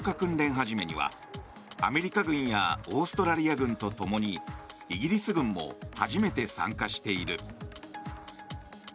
始めにはアメリカ軍やオーストラリア軍とともにイギリス軍も初めて参加している。